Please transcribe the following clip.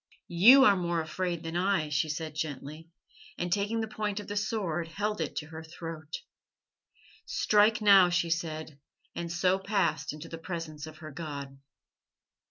'You are more afraid than I,' she said gently, and taking the point of the sword held it to her throat. "'Strike now,' she said, and so passed into the presence of her God."